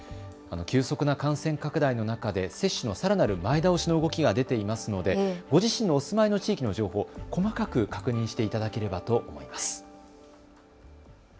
急速な感染拡大の中で接種のさらなる前倒しの動きが出ていますのでご自身のお住まいの地域の情報、細かく確認していただければと思います。